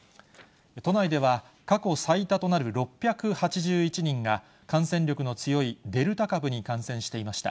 都内では、過去最多となる６８１人が、感染力の強いデルタ株に感染していました。